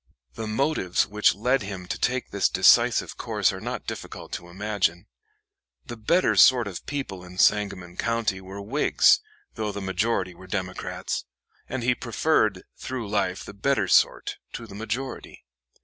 The motives which led him to take this decisive course are not difficult to imagine. The better sort of people in Sangamon County were Whigs, though the majority were Democrats, and he preferred through life the better sort to the majority.